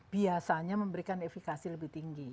biasanya memberikan efekasi lebih tinggi